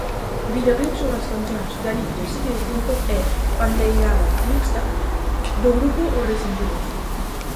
Videoclip sobre as cancións "Galicia, sitio distinto" e "Pandeirada Mixta" do grupo Os Resentidos.